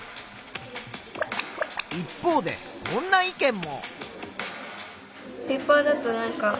一方でこんな意見も。